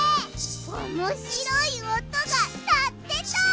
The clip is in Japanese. おもしろいおとがなってた！